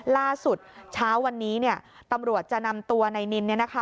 ล่าสุดเช้าวันนี้เนี่ยตำรวจจะนำตัวในนินเนี่ยนะคะ